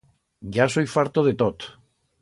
Ya soi farto de tot.